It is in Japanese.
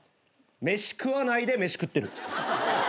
飯食わないで飯食ってる。